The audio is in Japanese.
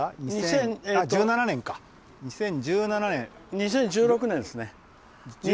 ２０１６年ですね。